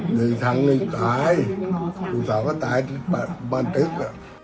หนึ่งทั้งหนึ่งตายผู้สาวก็ตายที่บ้านตึก